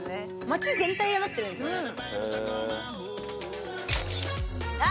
街全体がなってるんですよね？